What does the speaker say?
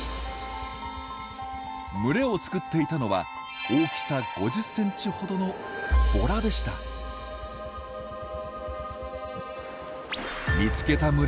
群れを作っていたのは大きさ５０センチほどのボラでした。